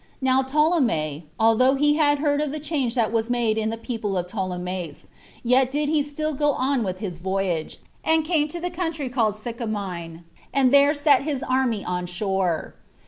Now Ptolemy, although he had heard of the change that was made in the people of Ptolemais, yet did he still go on with his voyage, and came to the country called Sycamine, and there set his army on shore.